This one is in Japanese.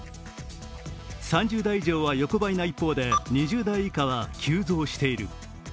３０代以上は横ばいな一方で、２０代以下は急増している。